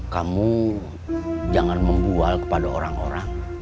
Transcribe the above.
kamu jangan membual kepada orang orang